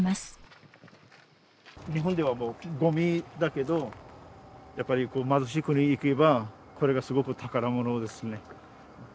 日本ではもうゴミだけどやっぱり貧しい国行けばこれがすごく宝物ですね。